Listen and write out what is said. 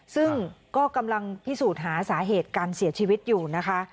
ซึ่งก็กำลังพิสูจน์หาสาเหตุการเสียชีวิตอยู่นะคะ